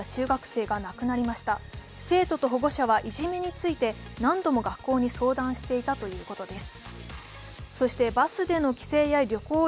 生徒と保護者は、いじめについて何度も学校に相談していたということです。